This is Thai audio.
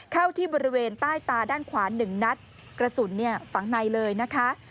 เข้าที่บริเวณใต้ตาด้านขวาหนึ่งนัดกระสุนฝังในเลยนะคะ